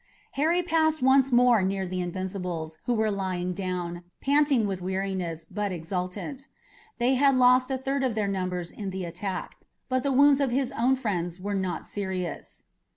Harry passed once more near the Invincibles, who were lying down, panting with weariness, but exultant. They had lost a third of their numbers in the attack, but the wounds of his own friends were not serious.